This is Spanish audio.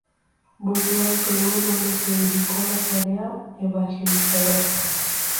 Volvió al Perú, donde se dedicó a la tarea evangelizadora.